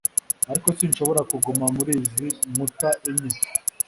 ariko sinshobora kuguma muri izi nkuta enye